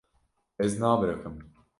Ez nabiriqim.